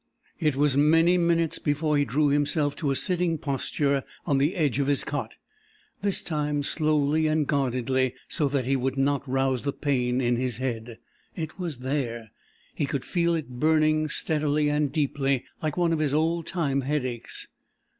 It was many minutes before he drew himself to a sitting posture on the edge of his cot, this time slowly and guardedly, so that he would not rouse the pain in his head. It was there. He could feel it burning steadily and deeply, like one of his old time headaches.